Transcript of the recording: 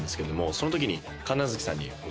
その時に。